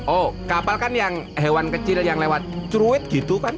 oh kapal kan yang hewan kecil yang lewat ceruit gitu kan